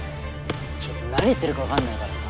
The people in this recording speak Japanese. ちょっと何言ってるか分かんないからさ